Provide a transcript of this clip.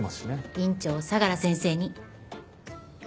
院長を相良先生に。